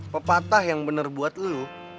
pepatah yang bener buat lo